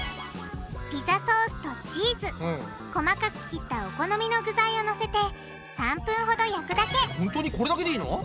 ピザソースとチーズ細かく切ったお好みの具材をのせて３分ほど焼くだけほんとにこれだけでいいの？